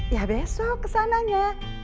ya besok kesananya